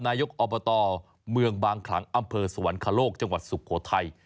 นายกอบตเมืองบางขลังอำเภอสวรรคโลกจังหวัดสุโขทัย